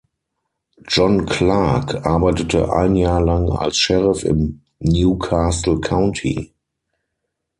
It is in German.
John Clark arbeitete ein Jahr lang als Sheriff im New Castle County.